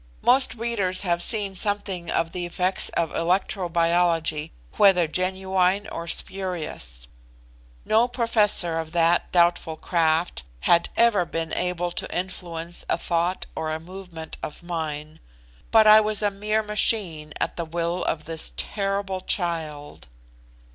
Most readers have seen something of the effects of electro biology, whether genuine or spurious. No professor of that doubtful craft had ever been able to influence a thought or a movement of mine, but I was a mere machine at the will of this terrible child.